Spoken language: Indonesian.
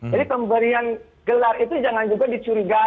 jadi pemberian gelar itu jangan juga dicurigai gitu loh